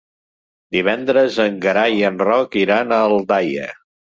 Divendres en Gerai i en Roc iran a Aldaia.